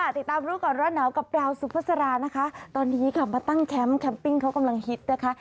ติดตามรู้ก่อนร้อนหนาวกับดาวสุภาษานะคะตอนนี้ค่ะมาตั้งแคมปแคมปิ้งเขากำลังฮิตนะคะ